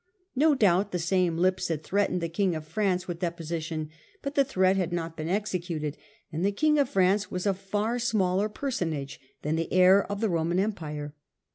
No doubt the same lips had Situation of threatened the king of France with deposi thl pop^"^ tion ; but the threat had not been executed, and the king of France was a far smaller personage than the heir of *he Roman Empire.